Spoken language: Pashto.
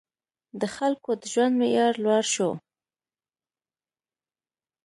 • د خلکو د ژوند معیار لوړ شو.